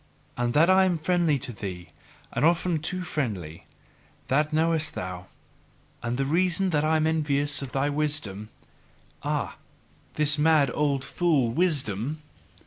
And that I am friendly to thee, and often too friendly, that knowest thou: and the reason is that I am envious of thy Wisdom. Ah, this mad old fool, Wisdom!